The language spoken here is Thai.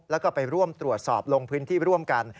แล้วก็ไปร่วมตรวจสอบลงพื้นที่ร่วมกัน